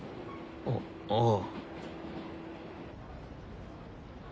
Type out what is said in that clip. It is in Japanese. あああ。